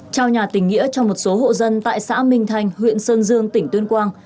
trao nhà tình nghĩa cho một số hộ dân tại xã minh thành huyện sơn dương tỉnh tuyên quang